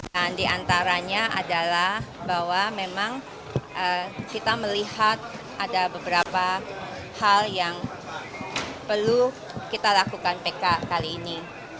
dan diantaranya adalah bahwa memang kita melihat ada beberapa hal yang perlu kita lakukan pk kali ini